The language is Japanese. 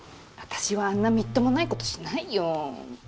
私はあんなみっともないことしないよ。